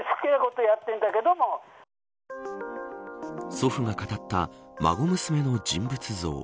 祖父が語った孫娘の人物像。